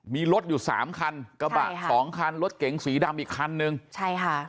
มีรถอยู่สามคันกระบะสองคันรถเก๋งสีดำอีกคันนึงใช่ค่ะ